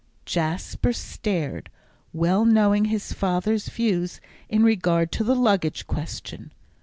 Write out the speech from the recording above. Jasper stared, well knowing his father's views in regard to the luggage question.